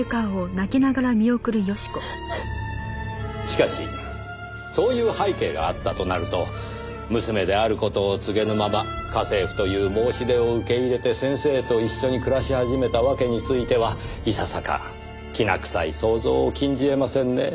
しかしそういう背景があったとなると娘である事を告げぬまま家政婦という申し出を受け入れて先生と一緒に暮らし始めたわけについてはいささかきな臭い想像を禁じえませんねえ。